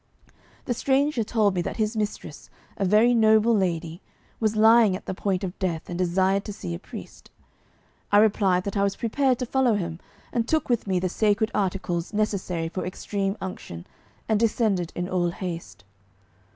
The stranger told me that his mistress, a very noble lady, was lying at the point of death, and desired to see a priest. I replied that I was prepared to follow him, took with me the sacred articles necessary for extreme unction, and descended in all haste.